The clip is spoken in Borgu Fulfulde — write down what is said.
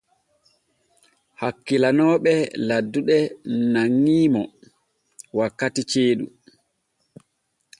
Hakkilanooɓe laddude nanŋi mo wakkati ceeɗu.